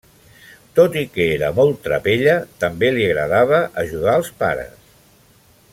Tot i que era molt trapella, també li agradava ajudar els pares.